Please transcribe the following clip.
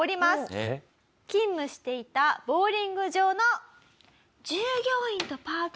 えっ？勤務していたボウリング場の。